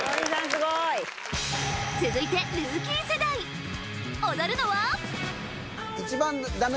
すごい続いてルーキー世代踊るのは？